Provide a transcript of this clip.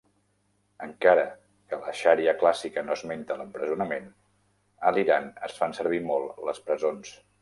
Encara que la xaria clàssica no esmenta l'empresonament, a l'Iran es fan servir molt les presons.